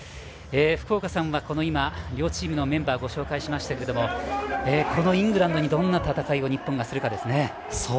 福岡さんは、今両チームのメンバーをご紹介しましたがこのイングランドにどんな戦いを日本がするかですね。